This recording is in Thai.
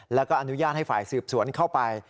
แล้วก็อนุญาตให้ฝ่ายสืบสวนเข้าไป